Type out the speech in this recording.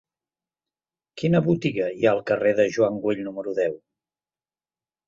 Quina botiga hi ha al carrer de Joan Güell número deu?